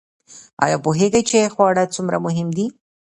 ایا پوهیږئ چې خواړه څومره مهم دي؟